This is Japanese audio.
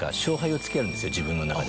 自分の中で。